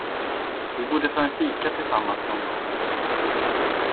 Vi borde ta en fika tillsammans någon gång.